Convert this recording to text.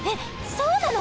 そうなの！？